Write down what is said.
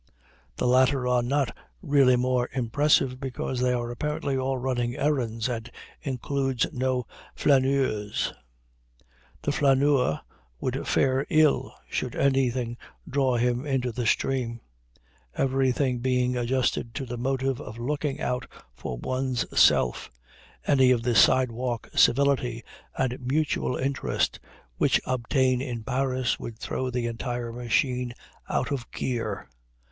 The latter are not really more impressive because they are apparently all running errands and include no flâneurs. The flâneur would fare ill should anything draw him into the stream. Everything being adjusted to the motive of looking out for one's self, any of the sidewalk civility and mutual interest which obtain in Paris would throw the entire machine out of gear.